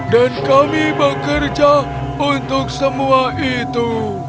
dan kami bekerja untuk semua itu